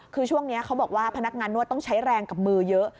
คือช่วงนี้เขาบอกว่าพนักงานนวดต้องใช้แรงกับมือเยอะ